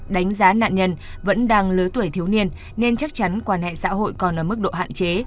đánh giá nạn nhân vẫn đang lứa tuổi thiếu niên nên chắc chắn quan hệ xã hội còn ở mức độ hạn chế